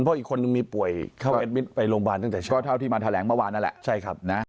เพราะอีกคนนึงมีป่วยเข้าเอ็ดมิตรไปโรงพยาบาลตั้งแต่เช้า